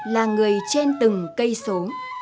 là người trên từng cây số